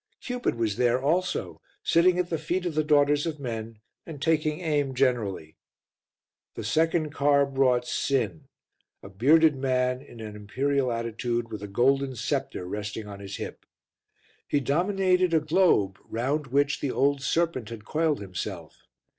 Cupid was there also, sitting at the feet of the daughters of men and taking aim generally. The second car brought Sin, a bearded man in an imperial attitude with a golden sceptre resting on his hip. He dominated a globe round which the old Serpent had coiled himself.